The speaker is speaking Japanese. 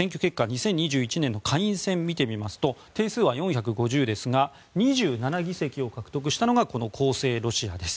２０２１年の下院選を見てみますと定数は４５０ですが２７議席を獲得したのがこの公正ロシアです。